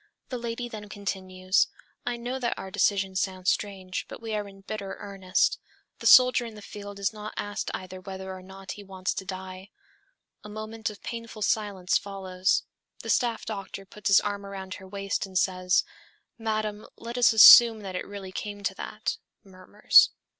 The lady then continues, 'I know that our decision sounds strange, but we are in bitter earnest. The soldier in the field is not asked either whether or not he wants to die.' A moment of painful silence follows. The staff doctor puts his arm around her waist and says, 'Madame, let us assume that it really came to that ...' (murmurs).